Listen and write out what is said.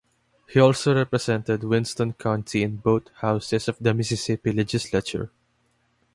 He also represented Winston County in both houses of the Mississippi Legislature.